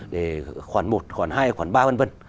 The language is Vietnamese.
hai nghìn một mươi năm để khoản một khoản hai khoản ba v v